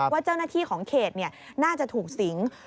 ว่าเจ้าหน้าที่ของเขตน่าจะถูกสิง